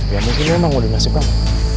ya mungkin memang udah nasib kamu